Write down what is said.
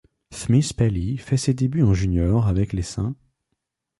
Smith-Pelly fait ses débuts en junior avec les St.